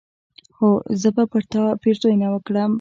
هو! زه به پر تا پيرزوينه وکړم